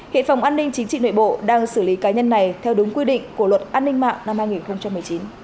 hệ phòng an ninh chính trị nội bộ đang xử lý cá nhân này theo đúng quy định của luật an ninh mạng năm hai nghìn một mươi chín